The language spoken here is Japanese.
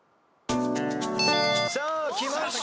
さあきました